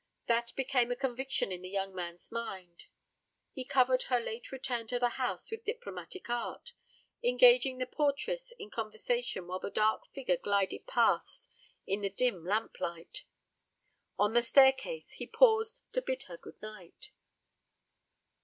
That became a conviction in the young man's mind. He covered her late return to the house with diplomatic art, engaging the portress in conversation while the dark figure glided past in the dim lamplight. On the staircase he paused to bid her good night.